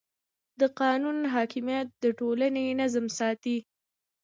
د قانون حاکمیت د ټولنې نظم ساتي.